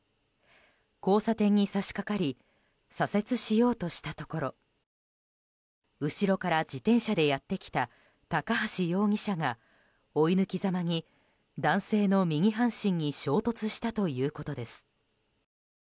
交差点に差し掛かり左折しようとしたところ後ろから自転車でやってきた高橋容疑者が追い抜きざまに男性の右半身に衝突したということです。